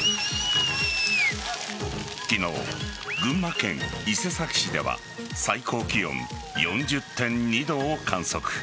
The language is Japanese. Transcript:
昨日、群馬県伊勢崎市では最高気温４０．２度を観測。